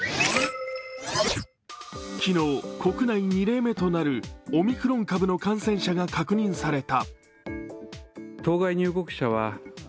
昨日国内２例目となるオミクロン株感染者が確認された。